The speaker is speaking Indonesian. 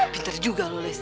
pintar juga lu liz